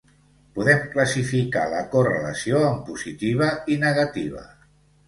Podem classificar la correlació en positiva i negativa.